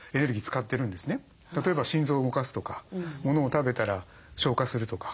例えば心臓を動かすとかものを食べたら消化するとかね